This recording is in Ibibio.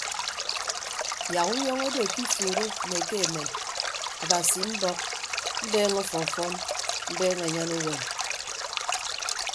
Yak unyọñọ odo ke ifuuro mme ke emem abasi mbọk mbeeñe ọfọfọn mbeeñe anyan uwem.